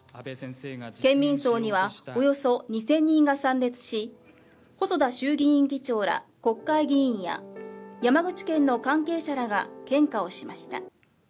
県民葬には、およそ２０００人が参列し細田衆議院議長ら国会議員や山口県の関係者らが献花をしました。